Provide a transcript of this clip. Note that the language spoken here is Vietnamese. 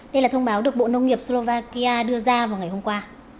đây là thông báo được bộ nông nghiệp slovakia đưa ra vào ngày hôm qua